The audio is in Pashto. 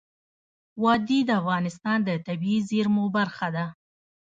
وادي د افغانستان د طبیعي زیرمو برخه ده.